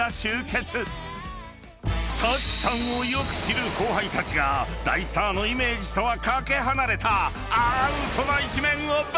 ［舘さんをよく知る後輩たちが大スターのイメージとは懸け離れたアウトな一面を暴露］